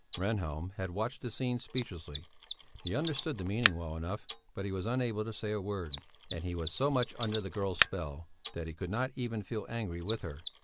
Rehnhjelm had watched the scene speechlessly. He understood the meaning well enough, but he was unable to say a word; and he was so much under the girl's spell, that he could not even feel angry with her.